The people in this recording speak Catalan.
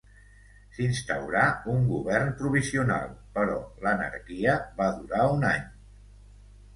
S'instaurà un govern provisional però l'anarquia va durar un any.